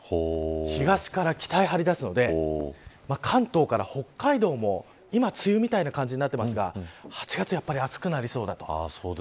東から北へ張り出すので関東から北海道も今、梅雨みたいな感じになっていますが８月やっぱり暑くなりそうだと。